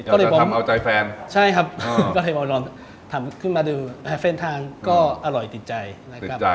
อ๋อก็เลยผมจะทำเอาใจแฟนก็เลยล้อยล้นขึ้นมาดูเพื่อนทางก็อร่อยติดใจนะครับ